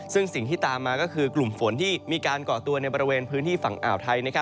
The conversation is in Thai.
ซึ่งสิ่งที่ตามมาก็คือกลุ่มฝนที่มีการก่อตัวในบริเวณพื้นที่ฝั่งอ่าวไทย